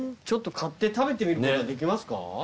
ちょっと買って食べてみることできますか？